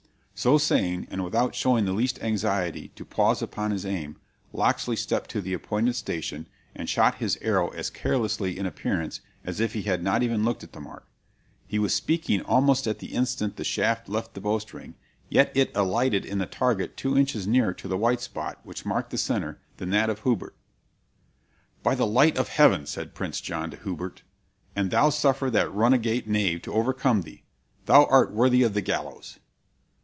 "So saying, and without showing the least anxiety to pause upon his aim, Locksley stepped to the appointed station, and shot his arrow as carelessly in appearance as if he had not even looked at the mark. He was speaking almost at the instant that the shaft left the bow string, yet it alighted in the target two inches nearer to the white spot which marked the centre than that of Hubert. "'By the light of Heaven!' said Prince John to Hubert, 'an thou suffer that runagate knave to overcome thee, thou art worthy of the gallows!'